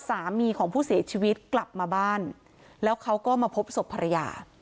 สามีของผู้เสียชีวิตกลับมาบ้านแล้วเขาก็มาพบศพภรรยา